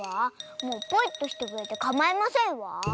もうポイっとしてくれてかまいませんわ。